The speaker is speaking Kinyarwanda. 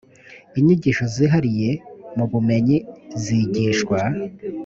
inyigisho zihariye mu bumenyi ziigishwa.